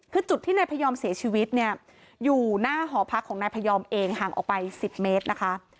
คือจุดที่นายพยอมเสียชีวิตเนี่ยอยู่หน้าหอพักของนายพยอมเองห่างออกไป๑๐เมตรนะคะ